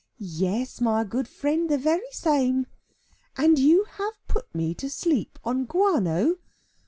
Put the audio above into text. "Yes, my good friend, the very same." "And you have put me to sleep on guano!